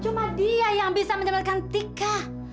cuma dia yang bisa menyebabkan tika